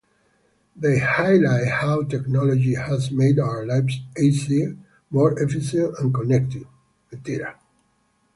They highlight how technology has made our lives easier, more efficient, and connected.